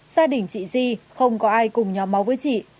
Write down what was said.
gia đình chị di không có ai cùng nhóm máu với chị